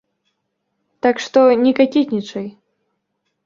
Так што не какетнічай.